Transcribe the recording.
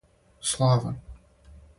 славан